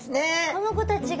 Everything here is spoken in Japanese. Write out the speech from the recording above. この子たちが。